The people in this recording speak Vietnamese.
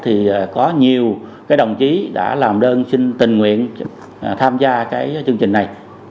thì có nhiều cái đồng chí đã làm đơn xin tình nguyện tham gia cái chương trình này